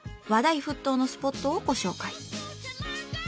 話題沸騰のスポットをご紹介。